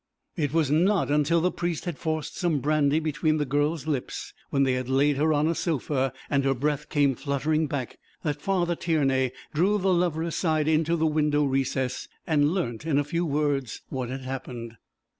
It was not until the priest had forced some brandy between the girl's lips, when they had laid her on a sofa, and her breath came fluttering back, that Father Tiernay drew the lover aside into the window recess and learnt in a few words what had happened.